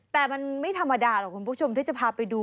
แต่มันไม่ธรรมดาหรอกคุณผู้ชมที่จะพาไปดู